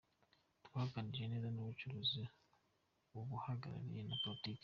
Twaganiriye neza ku bucuruzi, ubuhahirane na politiki.”